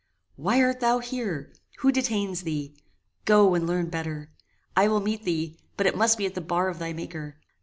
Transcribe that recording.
"Why art thou here? Who detains thee? Go and learn better. I will meet thee, but it must be at the bar of thy Maker.